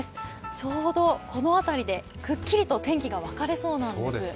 ちょうどこの辺りでくっきりと天気が分かれそうなんです。